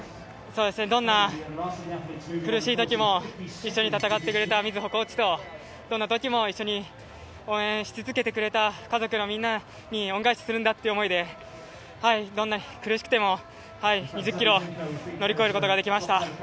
どんな苦しい時も一緒に戦ってくれたコーチとどんな時も一緒に応援し続けてくれた家族のみんなに恩返しするんだって思いでどんなに苦しくても２０ｋｍ乗り越えることができました。